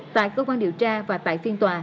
tại cơ quan điều tra và tại phiên tòa